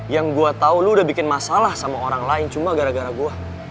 yang gue tau lu udah bikin masalah sama orang lain cuma gara gara gue